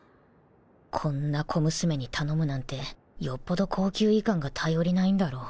こんな小娘に頼むなんてよっぽど後宮医官が頼りないんだろう